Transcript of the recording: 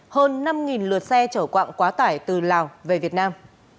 hơn năm lượt xe chở quạng quá tải từ lào về việt nam